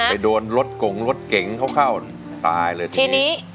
โดนรถกงรถเก๋งเขาเข้าตายเลยทีนี้